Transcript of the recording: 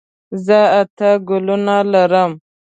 زه اته ګلونه لرم.